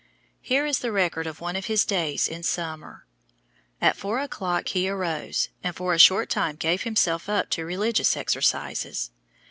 Here is the record of one of his days in summer: At four o'clock he arose, and for a short time gave himself up to religious exercises.